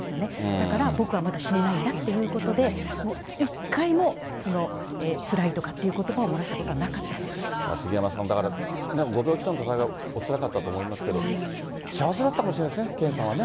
だから僕はまだ死ねないんだということで、一回もつらいとかっていうことばを漏らしたことはなかったそうで杉山さん、だからね、ご病気との闘い、おつらかったと思いますけれども、幸せだったかもしれないですね、健さんはね。